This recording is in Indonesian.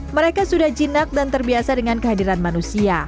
mereka sudah jinak dan terbiasa dengan kehadiran manusia